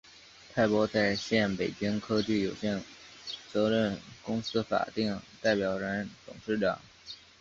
派博在线（北京）科技有限责任公司法定代表人、董事长